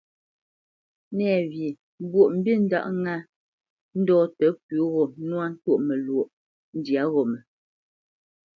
Nɛ̂wye Mbwoʼmbî ndáʼ ŋá ndɔ̂ tə pʉ̌ gho nwá ntwôʼ məlwɔʼ ndyǎ ghó mə.